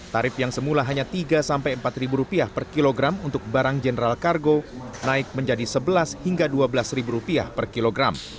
tarif yang semula hanya tiga sampai empat ribu rupiah per kilogram untuk barang general kargo naik menjadi sebelas hingga dua belas ribu rupiah per kilogram